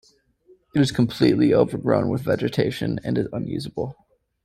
It is completely overgrown with vegetation and is unusable.